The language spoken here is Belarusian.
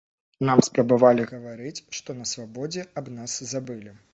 Нам спрабавалі гаварыць, што на свабодзе аб нас забылі.